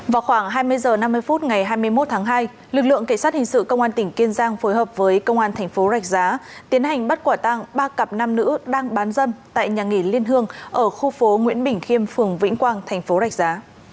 vào khoảng hai mươi h năm mươi phút ngày hai mươi một tháng hai lực lượng cảnh sát hình sự công an tỉnh kiên giang phối hợp với công an thành phố rạch giá tiến hành bắt quả tăng ba cặp nam nữ đang bán dâm tại nhà nghỉ liên hương ở khu phố nguyễn bình khiêm phường vĩnh quang thành phố rạch giá